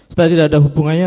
setelah tidak ada hubungannya